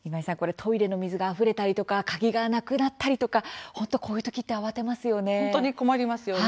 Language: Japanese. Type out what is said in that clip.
トイレの水があふれたり家の鍵をなくなったりこういうときって慌てますよね。